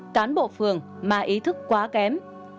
cán bộ phường mà ý thức quá kém